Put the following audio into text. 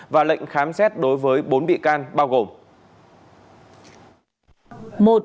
và lệnh khám xét đối với bốn bị can bao gồm